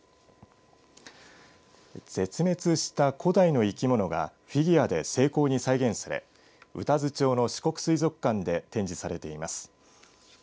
絶滅した古代の生き物がフィギュアで精巧に再現され宇多津町の四国水族館で展示されています。